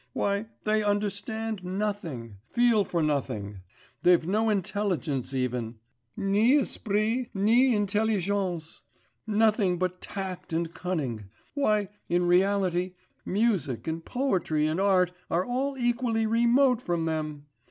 Why, they understand nothing, feel for nothing; they've no intelligence even, ni esprit ni intelligence, nothing but tact and cunning; why, in reality, music and poetry and art are all equally remote from them....